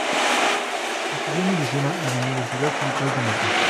Estudió medicina en la Universidad Central de Madrid.